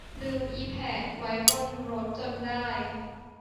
ลืมอิแผดไว้บนรถจนได้